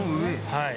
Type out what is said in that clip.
はい。